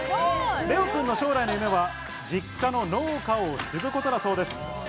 れおくんの将来の夢は実家の農家を継ぐことだそうです。